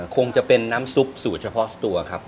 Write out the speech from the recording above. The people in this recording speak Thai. คงจะเป็นน้ำซุปสูตรเฉพาะตัวครับ